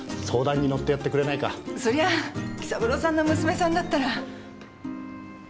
そりゃあ紀三郎さんの娘さんだったら。